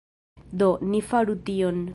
Do, ni faru tion